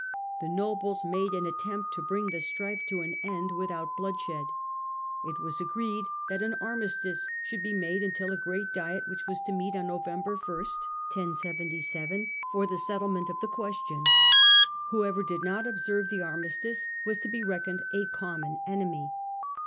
The nobles made an attempt to bring the strife to an end without bloodshed. It was agreed that an armistice should be made until a great diet, which was to meet on November 1 for the settlement of the question. Whoever did not observe the armistice was to be reckoned a common enemy.